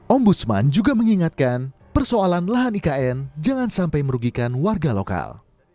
ombudsman juga mengingatkan persoalan lahan ikn jangan sampai merugikan warga lokal